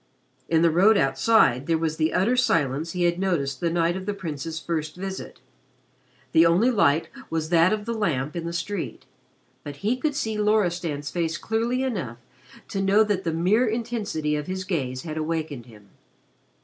In the road outside there was the utter silence he had noticed the night of the Prince's first visit the only light was that of the lamp in the street, but he could see Loristan's face clearly enough to know that the mere intensity of his gaze had awakened him.